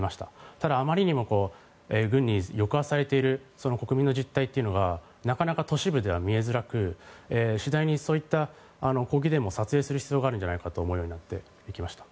ただあまりにも軍に抑圧されている国民の実態というのがなかなか都市部では見えづらく次第にそういった抗議デモを撮影する必要があるんじゃないかと思うようになっていきました。